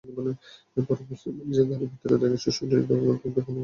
পরে বুঝতে পারি গাড়ির ভেতরে তার শিশুটিকে দুগ্ধ পান পর্ব হচ্ছিল।